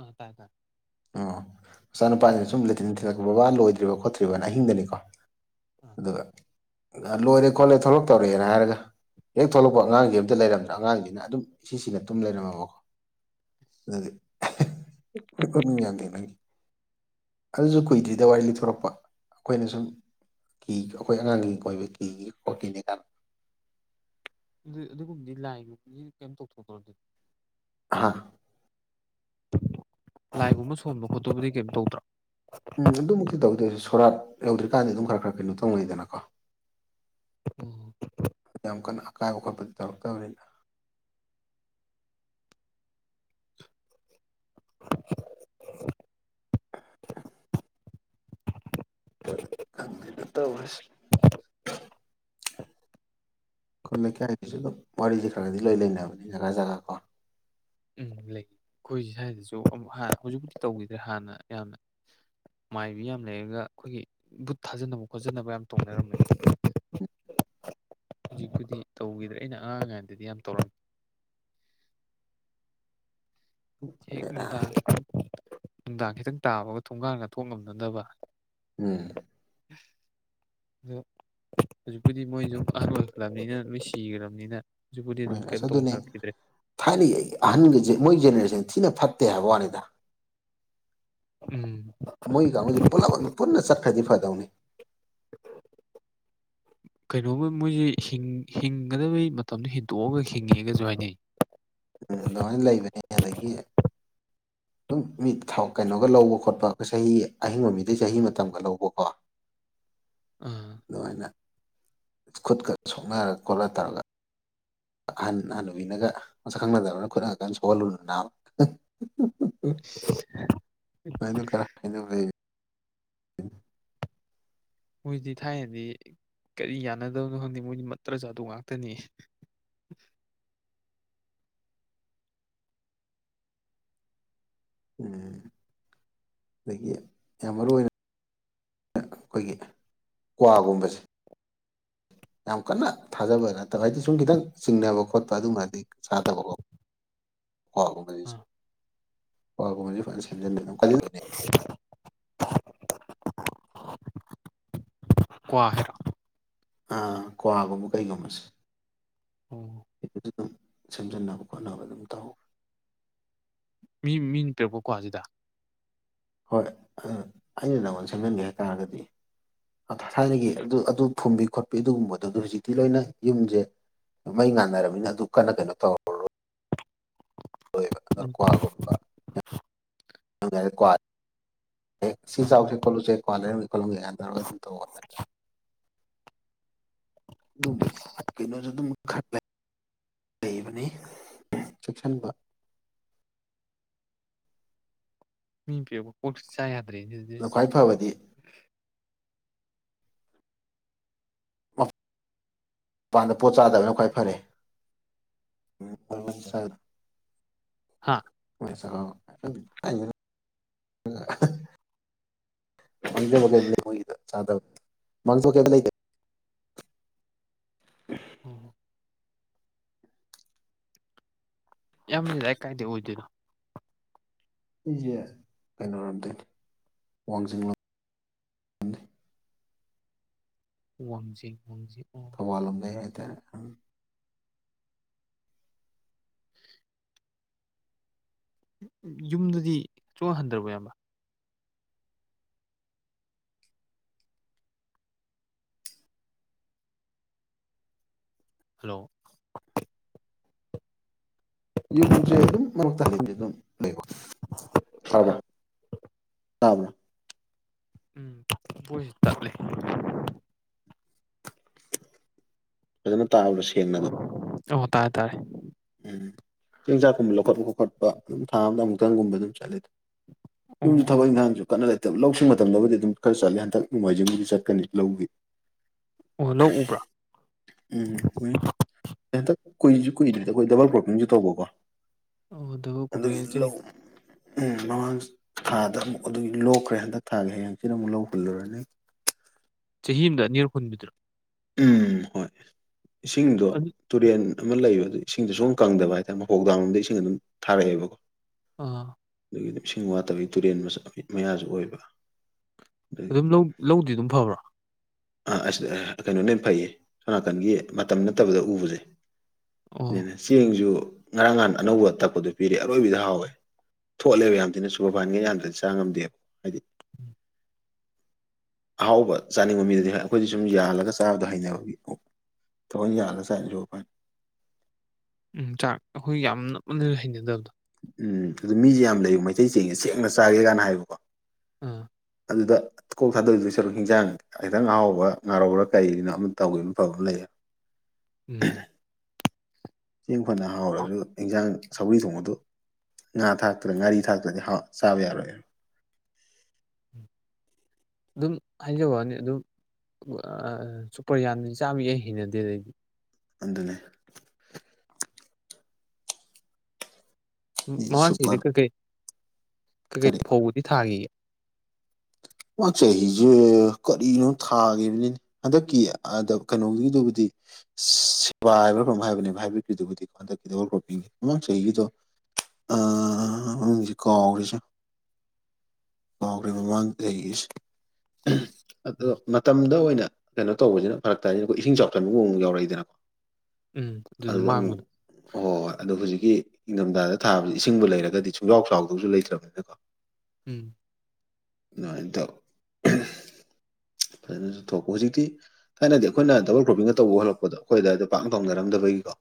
ꯑ ꯇꯥꯏ ꯇꯥꯏ ꯑꯣ ꯎꯝ ꯃꯆꯥꯅꯨꯄꯥꯅꯤꯅ ꯁꯨꯝꯊꯤꯟꯊꯤꯜꯂꯛꯄ ꯕꯕꯥ ꯂꯣꯏꯗ꯭ꯔꯤꯕ ꯈꯣꯠꯇ꯭ꯔꯤꯕꯅ ꯑꯍꯤꯡꯗꯅꯤꯀꯣ ꯑꯥ ꯑꯗꯨꯒ ꯂꯣꯏꯔꯦ ꯈꯣꯠꯂꯦ ꯊꯣꯛꯂꯛꯇꯧꯔꯛꯑꯦꯅ ꯍꯥꯏꯔꯒ ꯍꯦꯛ ꯊꯣꯛꯂꯛꯄ ꯑꯉꯥꯡꯁꯤ ꯑꯇ ꯂꯩꯔꯝꯗ꯭ꯔꯥ ꯑꯉꯥꯡꯁꯤꯅ ꯑꯗꯨꯝ ꯁꯤꯁꯤꯅ ꯑꯗꯨꯨꯝ ꯂꯩꯔꯝꯃꯕꯀꯣ ꯑꯗꯤ ꯊꯅ ꯑꯗꯨꯁꯨ ꯀꯨꯏꯗ꯭ꯔꯤꯗ ꯋꯥꯔꯤ ꯂꯤꯊꯣꯔꯛꯄ ꯑꯩꯈꯣꯏꯅ ꯁꯨꯝ ꯀꯤ ꯑꯩꯈꯣꯏ ꯑꯉꯥꯡꯒꯤ ꯑꯣꯏꯕ ꯀꯤ ꯀꯣꯇꯤꯅꯦ ꯀꯅ ꯑꯗꯨ ꯑꯗꯨꯒꯨꯝꯕꯗꯤ ꯂꯥꯏꯒꯨꯝꯕꯗꯤ ꯀꯩꯝ ꯇꯧꯊꯣꯛꯇ꯭ꯔꯣ ꯑꯗꯨꯗꯤ ꯑꯥ ꯂꯥꯏꯒꯨꯝꯕ ꯁꯣꯟꯕ ꯈꯣꯠꯇꯕꯨꯗꯤ ꯀꯩꯝ ꯇꯧꯗ꯭ꯔꯥ ꯎꯝ ꯑꯗꯨꯃꯛꯇꯤ ꯇꯧꯗꯣꯏꯁ ꯁꯣꯔꯥꯠ ꯌꯧꯗ꯭ꯔꯤꯀꯥꯟꯗꯤ ꯑꯗꯨꯝ ꯈꯔ ꯈꯔ ꯀꯩꯅꯣ ꯇꯧꯅꯩꯗꯅꯀꯣ ꯌꯥꯝ ꯀ ꯀꯥ ꯋꯥꯈꯥꯄꯗꯤ ꯇꯔ ꯇꯧ ꯂꯩ ꯇꯁ ꯈꯨꯜ ꯂꯩꯀꯌꯥꯒꯤꯁꯨ ꯑꯗꯨꯝ ꯋꯥꯔꯤꯁꯦ ꯈꯔꯒꯗꯤ ꯂꯣꯏ ꯂꯩꯅꯕꯅꯤ ꯖꯒꯥ ꯖꯒꯥ ꯀꯣ ꯎꯝ ꯂꯩ ꯑꯩꯈꯣꯏ ꯁ꯭ꯋꯥꯏꯗꯁꯨ ꯑꯃꯨꯛ ꯍꯧꯖꯤꯛꯄꯥꯎꯗꯤ ꯇꯧꯈꯤꯗ꯭ꯔꯦ ꯍꯥꯟꯅ ꯌꯥꯝꯅ ꯃꯥꯏꯕꯤ ꯌꯥꯝ ꯂꯩꯔꯒ ꯑꯩꯈꯣꯏꯒꯤ ꯕꯨꯠ ꯊꯥꯖꯅꯕ ꯈꯣꯠꯆꯟꯅꯕ ꯌꯥꯝ ꯇꯧꯅꯔꯝꯃꯦ ꯎ ꯍꯧꯖꯤꯛꯄꯨꯗꯤ ꯇꯧꯈꯤꯗ꯭ꯔꯦ ꯑꯩꯅ ꯑꯉꯥꯡꯉꯩꯗꯗꯤ ꯌꯥꯝ ꯇꯧꯔꯝꯃꯤ ꯍꯦꯛ ꯕꯦꯔꯥ ꯅꯨꯡꯗꯥꯡ ꯈꯤ ꯅꯨꯡꯗꯥꯡ ꯈꯤꯇꯪ ꯇꯥꯕꯒ ꯊꯣꯡꯒꯥꯟ ꯉꯊꯣꯛ ꯉꯝꯅꯅꯕ ꯎꯝ ꯑꯗꯣ ꯍꯧꯖꯤꯛꯄꯨꯗꯤ ꯃꯣꯏꯁꯨꯝ ꯑꯍꯜ ꯑꯣꯏꯈꯂꯕꯅꯤꯅ ꯂꯣꯏ ꯁꯤꯈ꯭ꯔꯕꯅꯤꯅ ꯍꯧꯖꯤꯛꯄꯨꯗꯤ ꯑꯗꯨꯝ ꯀꯩꯝ ꯍꯣꯏꯁ ꯑꯗꯨꯅꯦ ꯇꯧꯅꯔꯛꯈꯤꯗ꯭ꯔꯦ ꯊꯥꯏꯅ ꯑꯍꯟꯒꯤꯁ ꯃꯣꯏ ꯖꯦꯁ ꯊꯤꯅ ꯐꯠꯇꯦ ꯍꯥꯏꯕ ꯋꯥꯅꯤꯗ ꯎꯝ ꯃꯣꯏ ꯀꯥꯡꯕꯨꯁ ꯄꯨꯜꯂꯞ ꯄꯨꯟꯅ ꯆꯠꯈ꯭ꯔꯗꯤ ꯐꯗꯧꯅꯤ ꯀꯩꯅꯣꯒ ꯃꯣꯏꯁꯤꯦ ꯍꯤꯡꯒꯗꯕꯩ ꯃꯇꯝꯗꯣ ꯍꯦꯟꯗꯣꯛꯑꯒ ꯍꯤꯡꯉꯦꯒꯁꯨ ꯍꯥꯏꯅꯩ ꯎꯝ ꯑꯗꯨꯃꯥꯏꯅ ꯂꯩꯕꯅꯦ ꯑꯗꯒꯤ [unintelligible] ꯑꯗꯨꯝ ꯃꯤꯠ ꯀꯩꯅꯣꯒ ꯂꯧꯕ ꯈꯣꯠꯄ ꯑꯩꯈꯣꯏ ꯆꯍꯤ ꯑꯍꯤꯡꯕ ꯃꯤꯗꯩ ꯆꯍꯤ ꯃꯇꯝꯒ ꯂꯧꯕꯀꯣ ꯑꯥ ꯑꯗꯨꯃꯥꯏꯅ ꯈꯨꯠꯀ ꯁꯣꯛꯅꯔ ꯈꯣꯠꯂ ꯇꯥꯔꯒ ꯑꯍꯟ ꯑꯍ ꯅꯨꯕꯤꯅꯒ ꯃꯁꯛ ꯈꯪꯅꯗꯕꯅ ꯈꯨꯠꯅꯉ ꯀꯥꯟ ꯁꯣꯛꯍꯜꯂꯨꯅ ꯅꯥꯕ ꯎ ꯎ ꯎ ꯃꯅ ꯀꯅ ꯂꯩ ꯃꯣꯏꯁꯤꯗꯤ ꯊꯥꯏꯅꯗꯤ ꯀꯔꯤ ꯌꯥꯅꯗꯕꯅꯣ ꯈꯪꯗꯦ ꯃꯣꯏꯗꯤ ꯃꯠꯇ꯭ꯔ ꯆꯥꯗꯣꯛ ꯉꯥꯛꯇꯅꯤ [inaudible] [unintelligible] ꯎꯝ ꯑꯗꯒꯤ ꯌꯥꯝ ꯃꯔꯨ ꯑꯣꯏꯅ ꯑꯩꯈꯣꯏꯒꯤ ꯀ꯭ꯋꯥꯒꯨꯝꯕꯁꯦ ꯌꯥꯝ ꯀꯟꯅ ꯊꯥꯖꯕ ꯅꯠꯇꯕ ꯍꯥꯏꯗꯤ ꯁꯨꯝ ꯈꯤꯇꯪ ꯆꯤꯡꯅꯕ ꯈꯣꯠꯄ ꯑꯗꯨꯝꯕꯗꯤ ꯁꯥꯗꯕ ꯈꯣꯠꯄ [inaudible] [unintelligible] ꯑꯥ ꯍ ꯍꯕꯨꯝ ꯐꯅ ꯁꯦꯝꯖꯤꯟꯕꯤꯗ ꯀꯒ꯭ꯋꯥꯈꯔꯥ ꯑꯥ ꯀ꯭ꯋꯥꯒꯨꯝꯕ ꯀꯔꯤꯒꯨꯝꯃꯁꯤ ꯑꯣ ꯁꯤꯁꯨ ꯑꯗꯨꯝ ꯁꯦꯝꯖꯤꯟꯅꯕ ꯈꯣꯠꯅꯕ ꯑꯗꯨꯝ ꯇꯧꯍ ꯃꯤ ꯃꯤꯟ ꯄ꯭ꯔꯦꯄꯀꯣ ꯑꯁꯤꯗ ꯍꯣꯏ ꯑꯗꯨ ꯑꯩꯅ ꯅꯪꯉꯣꯟꯗ ꯁꯦꯝꯍꯟꯒꯦ ꯍꯥꯏꯇꯥꯥꯔꯒꯗꯤ ꯊꯥꯏꯅꯒꯤ ꯑꯗꯨ ꯑꯗꯨ ꯐꯨꯝꯕꯤ ꯈꯣꯠꯄꯤ ꯑꯗꯨꯒꯨꯝꯕꯗꯣ ꯑꯗꯨ ꯍꯧꯖꯤꯛꯇꯤ ꯂꯣꯏꯅ ꯌꯨꯝꯁꯦ ꯃꯩ ꯉꯥꯟꯅꯔꯕꯃꯤꯅ ꯑꯗꯨ ꯀꯟꯅ ꯀꯩꯅꯣ ꯇꯧꯔꯔꯣꯏ ꯕ ꯑꯥ ꯀꯋꯥꯒꯨꯝꯕ ꯑꯦ ꯁꯤ ꯑꯥ ꯆꯥꯎꯁꯦ ꯈꯣꯠꯂꯨꯁꯦꯀꯣꯂꯔ ꯈꯣꯜꯂꯝꯨꯒꯦ ꯌꯥꯟ ꯇꯔꯣꯏ ꯑꯗꯨꯝ ꯇꯧ ꯍꯥꯏꯇꯥꯔꯦ ꯗꯨꯕꯩ ꯀꯩꯅꯣ ꯆꯗ ꯈ ꯂꯩꯕꯅꯤ ꯆꯦꯛꯁꯤꯟꯕ ꯃꯤꯕꯤꯌꯕ ꯀꯣꯁꯨ ꯑꯗꯣ ꯆꯥꯗ꯭ꯔꯦꯦꯖꯤꯦ ꯈ꯭ꯋꯥꯏ ꯐꯕꯗꯤ ꯃꯄꯥꯟꯗ ꯄꯣꯠ ꯆꯥꯗꯕꯅ ꯈ꯭ꯋꯥꯏ ꯐꯔꯦ ꯁꯥꯏ ꯍꯥ [inaudible] [unintelligible] ꯪ ꯍꯗ ꯆ ꯃꯪ ꯀꯦ ꯍ ꯌꯥꯝꯗ ꯑꯩ ꯀꯥꯏꯗ ꯑꯣꯏꯗꯣꯏꯅꯣ ꯑꯩꯁꯦ ꯀꯩꯅꯣꯔꯣꯝꯗꯣꯏꯅꯤ ꯋꯥꯡꯖꯤꯡꯡꯂ ꯋꯥꯟꯖꯤ ꯋꯥꯟ ꯊꯧ ꯋꯥꯂꯂꯝꯗ ꯍꯥꯏꯇꯥꯦ ꯌꯨꯝꯗꯗꯤ ꯆꯣꯛ ꯍꯟꯗ꯭ꯔꯕ ꯌꯥꯝꯕ ꯍꯜꯂꯣ ꯌꯨꯝꯁꯦ ꯑꯗꯨꯝ ꯃꯔꯣꯛ ꯇꯜꯂꯤ ꯑꯗꯨꯝ ꯂꯩ ꯇꯥꯕ꯭ꯔ ꯍꯥ ꯂ ꯎꯝ ꯇꯍꯂ ꯖ ꯇꯕꯂ ꯁꯦꯟꯅꯗ ꯑꯣ ꯇꯥꯥꯏꯦ ꯇꯥꯏꯔꯦ ꯎꯝ ꯆꯦꯡ ꯆꯥꯛꯀꯨꯝꯕ ꯂꯧꯈꯠꯄ ꯈꯣꯠꯄ ꯑꯗꯨꯝ ꯊꯥ ꯑꯃꯗ ꯑꯃꯨꯛꯇꯪꯒꯨꯝꯕ ꯑꯗꯨꯝ ꯆꯠꯂꯦꯗ ꯇꯁꯨ ꯑꯣ ꯊꯕ ꯊꯥꯟ ꯆꯣ ꯀꯟꯅ ꯂꯩꯇꯕ ꯂꯧꯁꯤꯡ ꯃꯇꯝꯗꯕꯨꯗꯤ ꯑꯗꯨꯝ ꯈꯔ ꯆꯠꯂꯦ ꯍꯟꯗꯛ ꯅꯣꯡꯃꯥꯏꯖꯤꯡꯕꯨꯗꯤ ꯆꯠꯀꯅꯤ ꯂꯧꯒꯤ ꯑꯣ ꯂꯧ ꯎꯕ꯭ꯔꯣ ꯎꯝ ꯎꯏ ꯍꯟꯗꯛ ꯀꯨꯏꯁꯨ ꯀꯨꯏꯗꯕꯤꯗ ꯑꯩꯈꯣꯏ ꯗꯕꯜ ꯭ꯔꯣꯄꯤꯡꯁꯨ ꯇꯧꯕꯀꯣ ꯑꯣꯗꯕꯨ ꯀꯣꯄꯦꯁꯦ ꯃ ꯊꯥꯗ ꯑꯃꯨꯛ ꯑꯗꯨꯒꯤ ꯂꯣꯛꯈ꯭ꯔꯦ ꯍꯟꯗꯛ ꯊꯥꯒꯤ ꯍꯌꯦꯡꯁꯤꯗ ꯑꯃꯨꯛ ꯂꯧ ꯍꯨꯜꯂꯨꯔꯅꯤ ꯆꯍꯤ ꯑꯃꯗꯅꯤꯔꯛ ꯍꯨꯟꯕꯤꯗꯨ꯭ꯔꯣ ꯎꯝ ꯍꯣꯏ ꯏꯁꯤꯡꯗꯣ ꯑꯅꯤ ꯇꯨꯔꯦꯟ ꯑꯃ ꯂꯩꯕꯗ ꯑꯗꯨ ꯏꯁꯤꯡꯗꯁꯨ ꯁꯨꯝ ꯀꯪꯗꯕ ꯍꯥꯏꯇꯥꯔꯦ ꯍꯣꯡꯣꯛꯗꯥꯎꯟꯔꯣꯝꯗ ꯏꯁꯤꯡ ꯑꯗꯨꯝ ꯊꯥꯔꯛꯑꯦꯕꯀꯣ ꯑꯥ ꯑꯗꯒꯤꯗꯤ ꯏꯁꯤꯡ ꯋꯥꯠꯇꯕꯒꯤ ꯇꯨꯔꯦꯟ ꯃꯠ ꯃꯌꯥꯁꯨ ꯑꯣꯏꯕ ꯑꯗꯨꯝ ꯂꯧꯗꯤ ꯑꯗꯨꯝ ꯐꯕ꯭ꯔꯥ ꯑ ꯑꯁꯤꯗ ꯀꯩꯅꯣꯅ ꯐꯩꯌꯦ ꯁꯣꯅꯥꯀꯟꯒꯤ ꯃꯇꯝ ꯅꯠꯇꯕꯗ ꯎꯕꯁꯦ ꯑꯣ ꯆꯦꯡꯁꯨ ꯉꯔꯥꯡ ꯉꯍꯥꯟ ꯑꯅꯧꯕ ꯊꯛꯄꯗꯣ ꯄꯤꯔ ꯑꯔꯣꯏꯕꯤꯗ ꯍꯥꯎꯋꯦ ꯊꯣꯛꯍꯜꯂꯦꯕ ꯌꯥꯝ ꯊꯤꯅ ꯁꯨꯒꯔꯐꯥꯏꯟꯒ ꯌꯥꯝꯗ꯭ꯔꯅ ꯆꯥ ꯉꯝꯗꯦꯕ ꯍꯥꯏꯗꯤ [unintelligible] ꯑꯍꯥꯎꯕ ꯆꯥꯅꯤꯡꯕ ꯃꯤꯗꯗꯤ ꯑꯩꯈꯣꯏꯗꯤ ꯁꯨꯝ ꯌꯥꯜꯂꯒ ꯆꯥꯕꯗꯣ ꯍꯩꯅꯕꯒꯤ ꯑꯣ ꯊꯈꯣꯏ ꯌꯥꯅ ꯆꯥꯏꯖꯣꯄꯥꯏ ꯎꯝ ꯆꯥꯛ ꯑꯩꯈꯣꯏ ꯌꯥꯝꯅ ꯍꯩꯅꯗꯕꯗꯣ ꯎꯝ ꯑꯗꯨ ꯃꯤꯁꯦ ꯌꯥꯝ ꯂꯩꯕ ꯃꯩꯇꯩꯁꯤꯡꯦꯡꯁꯦ ꯁꯦꯡꯅ ꯆꯥꯒꯦ ꯀꯥꯏꯅ ꯍꯥꯏꯌꯦꯕꯀꯣ ꯑꯥ ꯑꯗꯨꯗ ꯀꯣꯛ ꯊꯥꯗꯔꯤꯗꯨ ꯁꯔꯨꯛ ꯍꯤꯟꯖꯥꯡ ꯈꯤꯇꯪ ꯉꯍꯥꯎꯕ꯭ꯔ ꯉꯥꯔꯧꯕ꯭ꯔꯥ ꯀꯩꯒꯤꯅꯣ ꯑꯃ ꯇꯧꯒꯦ ꯑꯃ ꯐꯕ ꯑꯃ ꯂꯩꯌꯦ ꯎꯝ ꯆꯦꯡ ꯐꯅ ꯍꯥꯎꯔꯁꯨ ꯏꯟꯖꯥꯡ ꯁꯧꯔꯤ ꯊꯣꯡꯕꯗꯣ ꯉꯥ ꯊꯥꯛꯇ꯭ꯔ ꯉꯥꯔꯤ ꯊꯥꯛꯇ꯭ꯔꯗꯤ ꯆꯥꯕ ꯌꯥꯔꯣꯏꯕ ꯎꯝ ꯑꯗꯨꯝ ꯍꯥꯏꯖꯕ ꯋꯥꯅꯤ ꯑꯗꯨꯝ ꯁꯨꯄꯔ ꯌꯥꯅꯤ ꯆꯥꯃꯤ ꯑꯩ ꯍꯤꯡꯩꯅꯗꯦꯗꯩꯗꯤ ꯑꯗꯨꯗꯨꯅꯦ ꯃꯃꯥꯡꯁꯤꯗꯤ ꯁꯨꯄꯔ ꯀꯩꯀꯩ ꯀꯩꯀꯩ ꯀꯔꯤ ꯐꯧꯕꯗꯤ ꯊꯥꯈꯤꯌꯦꯦ ꯃꯥ ꯆꯍꯤꯁꯦ ꯀꯔꯤꯅꯣ ꯊꯥꯈꯤꯕꯅꯤꯅꯦ ꯍꯟꯗꯛꯀꯤ ꯀꯩꯅꯣꯒꯤꯗꯨꯕꯨꯗꯤ ꯁꯦꯕꯥ ꯍꯥꯏꯕ ꯍꯥꯏꯕꯅꯦꯕ ꯍꯥꯏꯕꯤꯔꯤꯗꯨꯕꯨꯗꯤ ꯍꯟꯗꯛꯀꯤ ꯗꯕꯜ ꯀ꯭ꯔꯣꯄꯤꯡ ꯃꯃꯥꯡ ꯆꯍꯤꯒꯤꯗꯣ ꯃꯅꯨꯡꯥꯡꯁꯤ ꯀꯥꯎꯈꯔꯤꯁꯦ ꯀꯥꯎꯈ꯭ꯔꯤ ꯃꯃꯥꯡ ꯂꯩꯁꯦ ꯑꯗꯣ ꯎꯝ ꯃꯇꯝꯗ ꯑꯣꯏꯅ ꯀꯩꯅꯣ ꯇꯧꯕꯁꯤꯅ ꯐꯔꯛ ꯇꯥꯅꯤ ꯑꯩꯈꯣꯏ ꯏꯁꯤꯡ ꯆꯥꯎꯁꯤꯟꯕꯒꯛ ꯌꯥꯎꯔꯛꯏꯗꯅꯣ ꯎꯝ ꯑꯗꯨꯗ ꯑꯃꯨꯛ ꯃꯥꯡꯕꯗꯣ ꯍꯣꯏ ꯍꯣꯏ ꯑꯗꯨ ꯍꯧꯖꯤꯛꯀꯤ ꯏꯪꯊꯝꯊꯥꯗ ꯊꯥꯕꯁ ꯏꯁꯤꯡꯕꯨ ꯂꯩꯔꯒꯗꯤ ꯁꯨꯡꯖꯥꯎ ꯆꯥꯎꯥꯎꯗꯧꯁꯨ ꯂꯩꯇ꯭ꯔꯕꯅꯤꯅꯀꯣ ꯎꯝ ꯅꯥꯏꯇꯣ [unintelligible] ꯑꯗꯨꯅꯁꯨ ꯊꯣꯛꯄ ꯍꯧꯖꯤꯛꯇꯤ ꯊꯥꯏꯅꯗꯤ ꯑꯩꯈꯣꯏꯅ ꯗꯕꯜ ꯀ꯭ꯔꯣꯄꯤꯡꯒ ꯇꯧꯕ ꯍꯣꯜꯂꯛꯄꯗꯣ ꯑꯩꯈꯣꯏꯗꯥꯏꯗ ꯄꯥꯛ ꯊꯧꯅꯔꯝꯗꯕꯒꯤꯀꯣ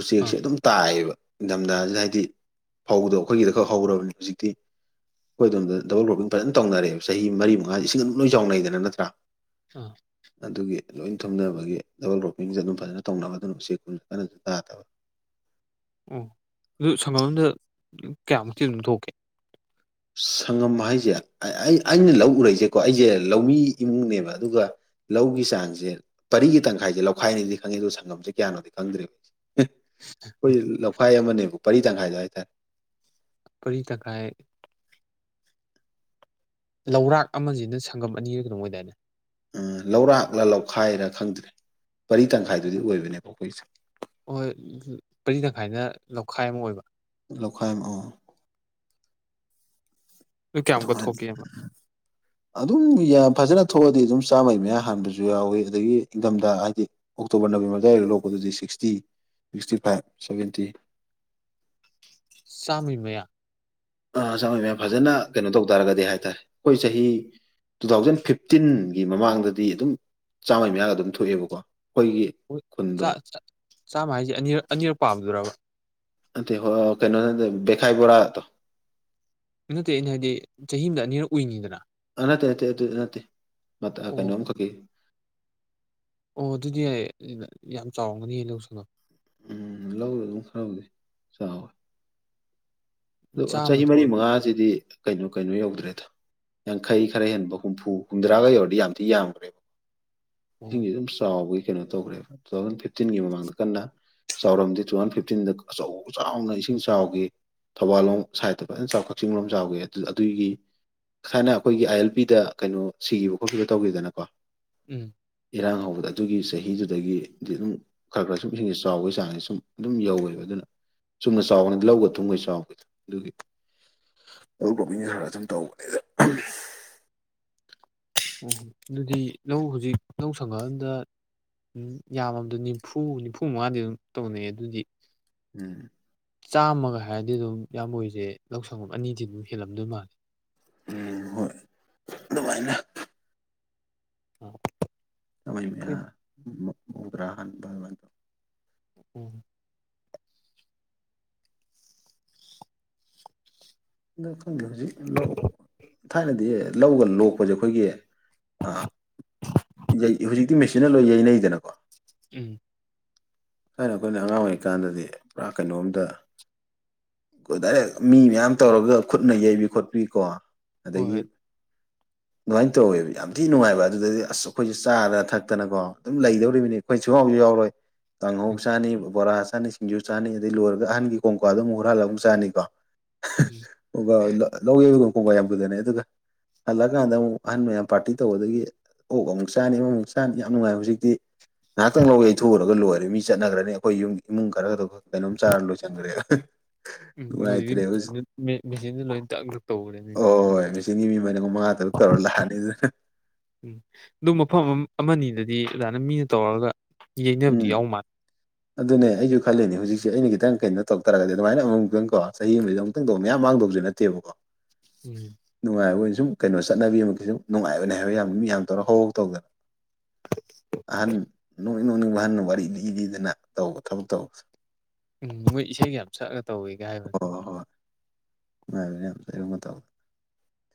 ꯎꯆꯦꯛꯁꯦ ꯑꯥ ꯑꯗꯨꯝ ꯇꯥꯏꯑꯌꯦꯕ ꯅꯤꯡꯊꯝꯊꯥꯁꯤꯗ ꯍꯥꯏꯗꯤ ꯐꯗꯣ ꯑꯩꯈꯣꯏꯒꯤꯗ ꯈꯛ ꯍꯧꯔꯕꯅꯤ ꯍꯧꯖꯤꯛꯇꯤ ꯑꯩꯣꯏꯣꯝ ꯗꯜ ꯀ꯭ꯔꯣꯄꯤꯡ ꯐꯖꯅ ꯇꯧꯅꯔꯦꯕ ꯆꯍꯤ ꯃꯔꯤ ꯃꯉꯥꯗꯤ ꯏꯁꯤꯡꯒ ꯑꯗꯨꯝ ꯂꯣꯏ ꯆꯥꯎꯅꯩꯗꯅ ꯅꯠꯇ꯭ꯔꯥ ꯑꯥ ꯑꯗꯨꯒꯤ ꯂꯣꯏꯅ ꯊꯨꯝꯅꯕꯒꯤ ꯗꯕꯜ ꯒ꯭ꯔꯣꯄꯤꯡꯁꯦ ꯑꯗꯨꯝ ꯐꯖꯅ ꯇꯧꯅꯕ ꯑꯗꯨꯅ ꯎꯆꯦꯛꯀꯨꯝꯁꯨ ꯀꯟꯅꯁꯨ ꯇꯥꯗꯕ ꯑꯣ ꯑꯗꯨ ꯁꯪꯒꯝꯝꯗ ꯀꯌꯥꯃꯨꯛꯇꯤ ꯑꯗꯨꯝ ꯊꯣꯛꯀꯦ ꯁꯪꯉꯝ ꯍꯥꯏꯁꯦ ꯑꯩ ꯑꯩꯅ ꯂꯧ ꯎꯔꯛꯏꯁꯦꯀꯣ ꯑꯩꯁꯦ ꯂꯧꯃꯤ ꯏꯃꯨꯡꯅꯦꯕ ꯑꯗꯨꯒ ꯂꯧꯒꯤ ꯆꯥꯡꯁꯦ ꯄꯔꯤꯒꯤ ꯇꯪꯈꯥꯏꯁꯦ ꯂꯧꯈꯥꯏꯅꯤꯗꯤ ꯈꯪꯉꯤ ꯑꯗꯨꯗꯣ ꯁꯪꯒꯝꯁꯦ ꯀꯌꯥꯅꯣꯗꯤ ꯈꯪꯗꯦꯔꯤꯕꯕ ꯑꯩꯈꯣꯏ ꯂꯧꯈꯥꯏ ꯑꯃꯅꯦꯕ ꯄꯔꯤ ꯇꯪꯈꯥꯏꯗ ꯍꯥꯏꯇꯥꯔꯦ ꯄꯔꯤ ꯇꯥꯏ ꯂꯧꯔꯥꯛ ꯑꯃꯁꯤꯅ ꯁꯪꯒꯝ ꯑꯅꯤꯔ ꯀꯩꯅꯣ ꯑꯣꯏꯗꯥꯏꯅꯦ ꯎ ꯂꯧꯔꯥꯛꯂ ꯂꯧꯈꯥꯏꯔ ꯈꯪꯗ꯭ꯔꯦ ꯄꯔꯤ ꯇꯪꯈꯥꯏꯗꯨꯗꯤ ꯑꯣꯏꯕꯅꯦꯕ ꯑꯩꯈꯣꯏꯁꯦ ꯑꯗꯨꯃꯥꯏꯅ ꯂꯧꯈꯥꯏ ꯑꯃ ꯑꯣꯏꯕ ꯂꯣꯈꯥꯏꯃ ꯑꯗꯨ ꯀꯌꯥꯃꯨꯛꯀ ꯊꯣꯛꯀꯦꯕ ꯑꯗꯨ ꯑꯗꯨꯝ ꯐꯖꯅ ꯊꯣꯛꯑꯗꯤ ꯑꯗꯨꯝ ꯆꯥꯝꯃꯩ ꯃꯌꯥ ꯍꯥꯟꯕꯁꯨ ꯌꯥꯎꯏꯤ ꯑꯗꯒꯤ ꯏꯪꯊꯝꯗ ꯍꯥꯏꯗꯤ ꯑꯣꯛꯇꯣꯕꯔ ꯅꯕꯦꯝꯕꯔ ꯑꯗꯨꯗꯥꯏꯔ ꯂꯣꯛꯄꯗꯨꯗꯤ six sixty sixty five seventy ꯁꯃꯤ ꯃꯌꯥ ꯑ ꯁ ꯃꯌꯥꯝ ꯐꯖꯅ ꯀꯩꯅꯣ ꯇꯧ ꯇꯥꯔꯒꯗꯤ ꯍꯥꯏ ꯇꯔꯦ ꯑꯩꯈꯣꯏ ꯆꯍꯤ ꯇꯨ ꯊꯥꯎꯖꯟ ꯐꯤꯐꯇꯤꯟꯒꯤ ꯃꯃꯥꯡꯗꯗꯤ ꯑꯗꯨꯝ ꯆꯥꯝꯃꯔꯤ ꯃꯌꯥꯗ ꯑꯗꯨꯝ ꯊꯣꯛꯑꯦꯕꯀꯣ ꯑꯩꯈꯣꯏꯒꯤ ꯈꯨꯟꯗꯣ ꯆꯥꯝꯃ ꯍꯥꯏꯁꯤꯦ ꯑꯅꯤꯛ ꯑꯅꯤꯔꯛ ꯄꯥꯝꯗꯕ ꯑ ꯀꯩꯅꯣꯅꯦ ꯦꯈꯥꯏꯕꯣꯔꯇ ꯅꯠꯇꯦ ꯑꯩꯅ ꯍꯥꯏꯗꯤ ꯆꯍꯤ ꯑꯃꯗ ꯑꯅꯤꯔꯛ ꯎꯏꯅꯤꯤꯗꯅ ꯅꯠꯇꯦ ꯅꯠꯇꯦ ꯅꯠꯇꯦ ꯀꯩꯅꯣ ꯑꯣ ꯑꯃꯈꯛꯀꯤ ꯑꯣ ꯑꯗꯨꯗꯤ ꯌꯥ ꯌꯥꯝ ꯆꯥꯎꯒꯅꯤ ꯂꯧꯁꯤꯅꯣ ꯎꯝ ꯂꯧꯔꯦ ꯑꯗꯨꯝ ꯈꯔꯕꯨꯗꯤ ꯆꯥꯎꯋꯦ ꯑ ꯆꯍꯤ ꯆꯥꯝꯃꯗꯣ ꯃꯔꯤ ꯃꯉꯥꯁꯤꯗꯤ ꯀꯩꯅꯣ ꯀꯩꯅꯣ ꯌꯧꯗ꯭ꯔꯦꯗ ꯌꯥꯡꯈꯩ ꯈꯔ ꯍꯦꯟꯕ ꯍꯨꯝꯐꯨ ꯍꯨꯝꯗ꯭ꯔꯥꯒ ꯌꯧꯔꯗꯤ ꯌꯥꯝ ꯊꯤ ꯌꯥꯝꯈ꯭ꯔꯦꯕ ꯏꯁꯤꯡꯁꯦ ꯑꯣ ꯑꯗꯨꯝ ꯆꯥꯎꯕꯒꯤ ꯀꯩꯅꯣ ꯇꯧꯈ꯭ꯔꯦꯕ ꯇꯨ ꯊꯥꯎꯖꯟ ꯐꯤꯞꯇꯤꯟꯒꯤ ꯃꯃꯥꯡꯗ ꯀꯟꯅ ꯆꯥꯎꯔꯝꯗꯤ ꯇꯨ ꯊꯥꯎꯖꯟ ꯐꯤꯞꯇꯤꯟꯗ ꯑꯆꯧ ꯆꯥꯎꯅ ꯏꯁꯤꯡ ꯆꯥꯎꯈꯤ ꯊꯧꯕꯥꯜꯂꯣꯝ ꯁꯥꯏꯗꯠꯇ ꯐꯖꯅ ꯆꯥꯎ ꯀꯛꯆꯤꯡꯡꯂꯣꯝ ꯆꯥꯎꯋ ꯑꯗꯨꯏꯒꯤ ꯁꯁꯥꯏꯅ ꯑꯩꯈꯣꯏꯒꯤ ꯑꯥꯏ ꯑꯦꯜ ꯄꯤꯗ ꯀꯩꯅꯣ ꯁꯤꯈꯤꯕ ꯈꯣꯠꯈꯤꯕ ꯇꯧꯈꯤꯗꯅꯀꯣ ꯎꯝ ꯏꯔꯥꯡ ꯍꯧꯕꯗ ꯑꯗꯨꯒꯤ ꯆꯍꯤꯗꯨꯗꯒꯤꯗꯤ ꯑꯗꯨꯝ ꯈꯔ ꯈꯔ ꯁꯨꯝ ꯍꯁꯤꯡꯉ ꯆꯥꯎꯕꯒꯤ ꯆꯥꯡꯁꯦ ꯁꯨꯝ ꯑꯗꯨꯝ ꯌꯧꯋꯦꯕ ꯑꯗꯨꯅ ꯆꯨꯝꯅ ꯆꯥꯎꯕꯅꯤ ꯂꯧꯒ ꯊꯨꯝꯕꯩ ꯆꯥꯎꯕꯦ ꯑꯗꯨꯒꯤ ꯑꯇꯄꯣ ꯅꯦꯁ ꯈꯔ ꯑꯗꯨꯝ ꯇꯧꯕꯅꯦꯗ ꯑꯣꯣ ꯑꯗꯨꯗꯤ ꯅ ꯍꯧꯖꯤꯛ ꯅꯧ ꯁꯪꯉꯛꯑꯥꯟꯗ ꯎꯝ ꯌꯥꯝꯃꯝꯗ ꯅꯤꯝꯐꯨ ꯅꯤꯐꯨ ꯃꯉꯥꯗꯤ ꯑꯗꯨꯝ ꯇꯧꯅꯩꯌꯦ ꯑꯗꯨꯗꯤ ꯎꯝ ꯆꯥꯝꯃꯒ ꯍꯥꯏꯔꯗꯤ ꯑꯗꯨꯝ ꯌꯥꯝꯕꯣꯏꯁꯦ ꯂꯧꯁꯪ ꯑꯅꯤꯗꯤ ꯑꯗꯨꯝ ꯍꯦꯜꯂꯝꯗꯣꯏ ꯃꯥꯜꯂꯦ ꯎꯝ ꯍꯣꯏ ꯑꯗꯨꯃꯥꯏꯅ ꯑ ꯁ ꯃꯌꯥꯝ ꯃꯨꯒ꯭ꯔꯥꯍꯟ ꯗꯨ ꯎ ꯑꯗ ꯈꯪꯗꯦ ꯍꯧꯖꯤꯛ ꯂꯧ ꯊꯥꯏꯅꯗꯤ ꯂꯧꯒ ꯂꯣꯛꯄꯁꯦ ꯑꯩꯈꯣꯏꯒꯤ ꯑ ꯍꯧꯖꯤꯛꯇꯤ ꯃꯦꯆꯤꯟꯅ ꯂꯣꯏ ꯌꯩꯅꯩꯗꯅꯀꯣ ꯎꯝ ꯍꯥꯏꯅ ꯑꯩꯈꯣꯏꯅ ꯑꯉꯥꯡ ꯑꯣꯏꯔꯤꯀꯥꯟꯗꯗꯤ ꯄꯨꯔꯥ ꯀꯩꯅꯣꯝꯇ ꯗꯥꯏꯔꯦꯛ ꯃꯤ ꯃꯌꯥꯝ ꯇꯧꯔꯒ ꯈꯨꯠꯅ ꯌꯩꯕꯤ ꯈꯣꯠꯄꯤ ꯀꯣ ꯑꯗꯒꯤ ꯍꯣꯏ ꯑꯗꯨꯃꯥꯏꯅ ꯇꯧꯋꯦꯕ ꯌꯥꯝ ꯊꯤꯅ ꯅꯨꯡꯉꯥꯏꯕ ꯑꯗꯨꯗꯗꯤ ꯑꯁ ꯑꯩꯈꯣꯏꯁꯨ ꯆꯥꯗꯅ ꯊꯛꯇꯅꯀꯣ ꯑꯗꯨꯝ ꯂꯩꯗꯧꯔꯤꯕꯅꯤ ꯑꯩꯈꯣꯏꯁꯨ ꯌꯥꯎꯔꯣꯏ ꯀꯥꯡꯍꯧ ꯍꯣꯏ ꯆꯥꯅꯤ ꯕꯣꯔꯥ ꯆꯥꯅꯤ ꯁꯤꯡꯖꯨ ꯆꯥꯅꯤ ꯑꯗꯩ ꯂꯣꯏꯔꯒ ꯑꯍꯟꯒꯤ ꯀꯣꯡꯀꯥꯣ ꯑꯃꯨꯛ ꯍꯨꯔꯜꯂꯒꯨꯛ ꯆꯥꯅꯤꯀꯣ ꯀ ꯂꯧ ꯌꯕꯒꯨꯝ ꯀꯣꯡꯒꯥ ꯌꯥꯝ ꯐꯖꯅꯦ ꯑꯗꯨꯒ ꯍꯜꯂꯀꯥꯟꯗ ꯑꯃꯨꯛ ꯑꯍꯟ ꯃꯌꯥꯝ ꯄꯥꯔꯇꯤ ꯇꯧꯕꯗꯒꯤ ꯑꯣꯛ ꯑꯃꯨꯛ ꯆꯥꯅꯤ ꯑꯃꯃꯨꯛ ꯆꯥꯅꯤ ꯌꯥꯝ ꯅꯨꯡꯉꯥꯏ ꯍꯧꯖꯤꯛꯇꯤ ꯉꯥꯏꯍꯥꯛꯇꯪ ꯂꯧꯒꯦ ꯌꯊꯣꯛꯎꯒ ꯂꯣꯏꯔꯦ ꯣꯏ ꯃꯤ ꯆꯠꯅꯈ꯭ꯔꯅꯤ ꯑꯩꯈꯣꯏ ꯌꯨꯝ ꯏꯃꯨꯡ ꯈꯔꯒ ꯀꯩꯅꯣꯝ ꯆꯥꯔ ꯂꯣꯏꯁꯤꯟꯈ꯭ꯔꯦ ꯎꯝ ꯑꯗꯨꯗꯤ ꯃꯦꯆꯤꯟꯗꯨ ꯂꯣꯏ ꯇꯛꯛ ꯇꯧ꯭ꯔꯦꯅꯤꯅꯦ ꯍꯣꯏ ꯃꯦꯆꯤꯟꯒꯤ ꯃꯤ ꯃꯔꯤ ꯃꯉꯥ ꯇꯔꯨꯛ ꯇꯧꯔ ꯂꯥꯛꯑꯅꯤ ꯑꯗꯨꯅ ꯎꯝ ꯑꯗꯨ ꯃꯐꯝ ꯑꯃꯅꯤꯗꯗꯤ ꯑꯗꯨꯃꯥꯏꯅ ꯃꯤꯅ ꯇꯧꯔꯒ ꯌꯩꯅꯕꯗꯤ ꯎꯝ ꯌꯥꯎ ꯃꯥꯜꯂꯦ ꯑꯗꯨꯅꯦ ꯑꯩꯁꯨ ꯈꯜꯂꯤꯅꯦ ꯍꯧꯖꯤꯛꯁꯦ ꯑꯩꯅꯒꯤ ꯈꯤꯇꯪ ꯀꯩꯅꯣ ꯇꯧꯛ ꯇꯔꯒ ꯑꯗꯨꯥꯏ ꯑꯃꯨꯛꯇꯪꯣ ꯆꯍꯤ ꯑꯃꯗ ꯑꯃꯨꯛꯇꯪ ꯇꯧ ꯃꯌꯥꯝ ꯃꯥꯡꯗꯧꯁꯨ ꯅꯠꯇꯦꯕꯀꯣ ꯎꯝ ꯅꯨꯡꯉꯥꯏ ꯁꯨꯝ ꯀꯩꯅꯣ ꯆꯠꯅꯕꯤ ꯑꯃ ꯁꯨꯝ ꯅꯨꯡꯉꯥꯏꯏꯅꯦ ꯍꯥꯏꯕ ꯌꯥꯝ ꯃꯤ ꯌꯥꯝ ꯇꯧꯔ ꯍꯧꯍꯧ ꯇꯧꯗꯅ ꯑꯍꯟ ꯅꯣꯏ ꯅꯣꯡꯅꯤꯡꯕꯨ ꯑꯍꯟꯅ ꯋꯥꯔꯤ ꯂꯤ ꯂꯤꯗꯅ ꯇꯧꯕ ꯊꯕꯛ ꯇꯧꯕ ꯎꯝ ꯃꯣꯏ ꯏꯁꯩꯒ ꯌꯥꯝ ꯁꯛꯂ ꯇꯧꯋꯤꯒ ꯍꯥꯏꯕꯅꯤ ꯃ ꯑꯗꯨꯅ ꯌꯥꯝꯖꯔꯨꯕ ꯇꯧ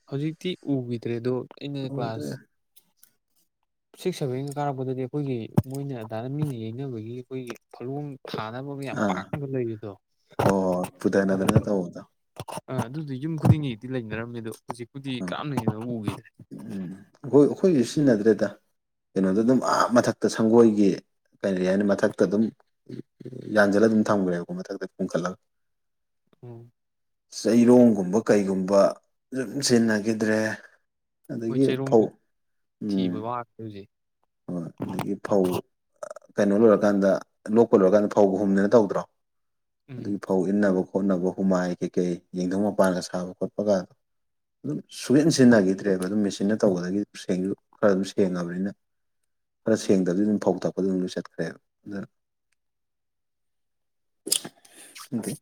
ꯍꯧꯖꯤꯛꯇꯤ ꯎꯈꯤꯗ꯭ꯔꯦꯗꯣ ꯑꯩꯅ ꯀ꯭ꯂꯥꯁ ꯇꯧꯗ꯭ꯔꯦ ꯁꯤꯛꯁ ꯁꯚꯦꯟꯒ ꯀꯥꯔꯛꯄꯗꯗꯤ ꯑꯩꯈꯣꯏꯒꯤ ꯃꯣꯏꯅ ꯑꯗꯥꯗ ꯃꯤꯅ ꯌꯩꯅꯅꯕꯒꯤ ꯑꯩꯈꯣꯏꯒꯤ ꯐꯂꯣꯡ ꯊꯥꯅꯕꯒ ꯌꯥꯝ ꯑꯥ ꯄꯥꯛꯒ ꯂꯩꯕꯗꯣ ꯍꯣꯏ ꯍꯣꯏ ꯄꯨꯊꯅꯗꯅ ꯇꯧꯕꯗꯣ ꯑꯥ ꯑꯥ ꯑꯗꯨꯗꯤ ꯌꯨꯝ ꯈꯨꯗꯤꯡꯒꯤꯗꯤ ꯂꯩꯅꯔꯝꯃꯦ ꯑꯣ ꯍꯧꯖꯤꯛꯄꯨꯗꯤ ꯎꯝ ꯀꯔꯝꯅ ꯍꯦꯟꯅ ꯎꯈꯤ ꯑꯩꯈꯣꯏꯁꯨ ꯁꯤꯖꯤꯟꯅꯗ꯭ꯔꯦꯗ ꯀꯩꯅꯣꯗ ꯑꯗꯨꯝ ꯑꯥꯞ ꯃꯊꯛꯇ ꯁꯪꯒꯣꯏꯒꯤ ꯀꯩꯅ ꯍꯥꯏꯅ ꯃꯊꯛꯇ ꯑꯗꯨꯝ ꯌꯥꯟꯁꯤꯜꯂ ꯑꯗꯨꯝ ꯊꯝꯈ꯭ꯔꯦꯕꯀꯣ ꯃꯊꯛꯇ ꯄꯨꯈꯠꯂꯒ ꯎꯝ ꯆꯩꯔꯣꯡꯒꯨꯝꯕ ꯀꯩꯒꯨꯝꯕ ꯑꯗꯨꯝ ꯁꯤꯖꯤꯟꯅꯈꯤꯗ꯭ꯔꯦ ꯃꯣꯏ ꯑꯗꯒꯤ ꯐꯧ ꯆꯩꯔꯣꯡꯗ ꯎꯝ ꯊꯤꯕ ꯋꯥꯈ꯭ꯔꯦ ꯍꯧꯖꯤꯛ ꯍ ꯑꯗꯒꯤ ꯐꯧ ꯀꯩꯅꯣ ꯂꯣꯏꯔꯀꯥꯟꯗ ꯂꯣꯛꯄ ꯂꯣꯏꯔꯀꯥꯟꯗ ꯐꯧ ꯍꯨꯝꯗꯅ ꯇꯧꯗ꯭ꯔꯣ ꯎꯝ ꯑꯗꯨꯒꯤ ꯐꯧ ꯏꯟꯅꯕꯣ ꯍꯣꯠꯅꯕ ꯍꯨꯃꯥꯏ ꯀꯩꯀꯩ ꯌꯦꯡꯊꯧ ꯃꯄꯥꯟꯒ ꯁꯥꯕ ꯈꯣꯠꯄꯒꯗꯣ ꯑꯗꯨꯝ ꯁꯨꯟ ꯁꯤꯖꯤꯟꯅꯈꯤꯗ꯭ꯔꯦꯕ ꯑꯗꯨꯝ ꯃꯦꯆꯤꯟꯅ ꯇꯧꯕꯗꯒꯤ ꯈꯔ ꯑꯗꯨꯝ ꯁꯦꯡꯉꯕꯅꯤꯅ ꯈꯔ ꯁꯦꯡꯗꯕꯗꯤ ꯑꯗꯨꯝ ꯐꯧ ꯊꯛꯄꯗ ꯑꯗꯨꯝ ꯂꯣꯏ ꯆꯠꯈ꯭ꯔꯦꯕ ꯑꯗꯨꯅ ꯑꯗꯤ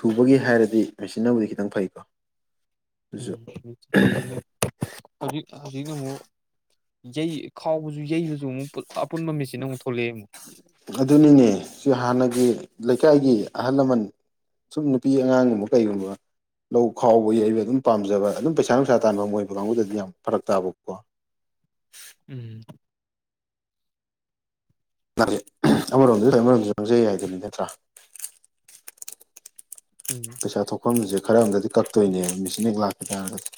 ꯊꯨꯕꯒꯤ ꯍꯥꯏꯔꯗꯤ ꯃꯦꯆꯤꯟꯅꯕꯨꯗꯤ ꯈꯤꯇꯪ ꯐꯩꯀꯣ ꯎꯝ ꯑꯗꯨꯁꯨ ꯑꯗꯨ ꯍꯧꯖꯤꯛꯅ ꯑꯃꯨꯛ ꯌꯩ ꯈꯥꯎꯕꯁꯨ ꯌꯩꯗꯨꯁꯨ ꯑꯃꯨꯛ ꯑꯄꯨꯟꯕ ꯃꯤꯠꯁꯤꯅ ꯑꯃꯨꯛ ꯊꯣꯛꯂꯛꯑꯦ ꯑꯃꯨꯛ ꯑꯗꯨꯅꯤꯅꯦ ꯁꯤ ꯍꯥꯟꯅꯒꯤ ꯂꯩꯀꯥꯏꯒꯤ ꯑꯍꯜ ꯂꯃꯟ ꯁꯨꯝ ꯅꯨꯄꯤ ꯑꯉꯥꯡꯒꯨꯝꯕ ꯀꯩꯒꯨꯝꯕ ꯂꯧ ꯈꯥꯎꯕꯒꯤ ꯑꯩꯕ ꯑꯗꯨꯝ ꯄꯥꯝꯖꯕ ꯑꯗꯨꯝ ꯄꯩꯁꯥ ꯅꯨꯡꯁꯥ ꯇꯥꯟꯕ ꯃꯣꯏꯕ ꯀꯥꯡꯕꯨꯗꯗꯤ ꯌꯥꯝ ꯐꯔꯛ ꯇꯥꯕꯀꯣ [inaudible] [unintelligible] ꯎꯝ ꯑꯃꯔꯣꯝꯗꯁꯨ ꯑꯃꯔꯣꯝꯗ ꯆꯪꯖꯩ ꯌꯥꯏꯗꯨꯅꯤ ꯅꯠꯇ꯭ꯔꯥ ꯎꯝ ꯄꯩꯁꯥ ꯊꯣꯛꯐꯝꯗꯨꯁꯦ ꯈꯔ ꯑꯝꯗꯗꯤ ꯀꯛꯇꯣꯏꯅꯦꯕ ꯃꯦꯆꯤꯤꯟ ꯍꯦꯛ ꯂꯥꯛꯄꯤ ꯇꯥꯔꯒꯗꯤ